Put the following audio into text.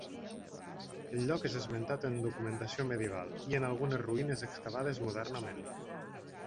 El lloc és esmentat en documentació medieval, i en algunes ruïnes excavades modernament.